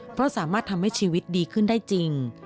เพราะสามารถทำให้ชีวิตดีขึ้นได้จริง